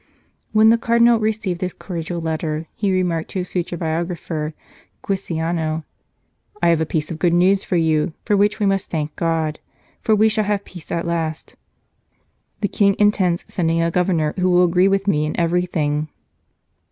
When the Cardinal received this cordial letter, he remarked to his future biographer, Giussiano :" I have a piece of good news for you, for which we must thank God, for we shall have peace at last ; the King intends sending a Governor who will agree with me in everything."